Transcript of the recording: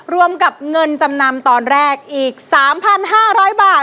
รวมกับเงินจำนำตอนแรกอีก๓๕๐๐บาท